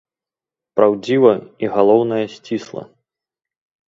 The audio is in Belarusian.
Праўдзіва і, галоўнае, сцісла.